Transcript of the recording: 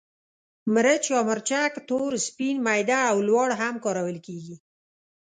مرچ یا مرچک تور، سپین، میده او لواړ هم کارول کېږي.